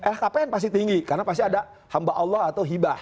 lhkpn pasti tinggi karena pasti ada hamba allah atau hibah